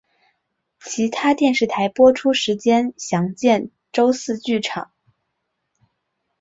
其他电视台播出时间详见周四剧场。